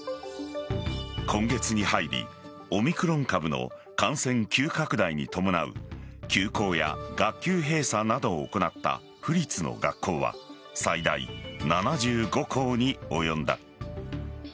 今月に入りオミクロン株の感染急拡大に伴う休校や学級閉鎖などを行った府立の学校は最大７５校に及んだ。